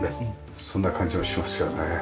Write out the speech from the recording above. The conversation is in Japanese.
そんな感じがしますよね。